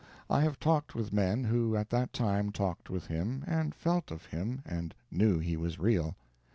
I have talked with men who at that time talked with him, and felt of him, and knew he was real.